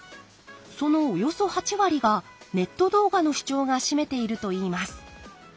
そのおよそ８割がネット動画の視聴が占めているといいます。